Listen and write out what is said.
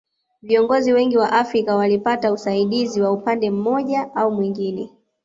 Viongozi wengi wa Afrika walipata usaidizi wa upande mmoja au mwingine